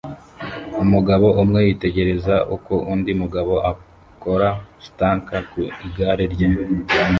Umugabo umwe yitegereza uko undi mugabo akora stunt ku igare rye